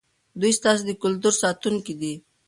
دوی ستاسې د کلتور ساتونکي دي.